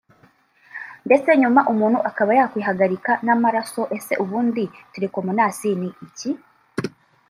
ndetse nyuma umuntu akaba yakwihagarika n’amarasoEse ubundi tirikomonasi ni iki